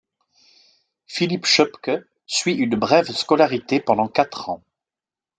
Philipp Schöpke suit une brève scolarité pendant quatre ans.